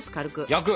焼く！